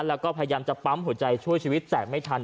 แล้วก็พยายามจะปั๊มหัวใจช่วยชีวิตแต่ไม่ทัน